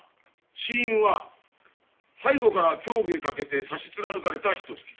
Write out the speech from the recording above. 死因は背後から胸部へかけて刺し貫かれた一突き。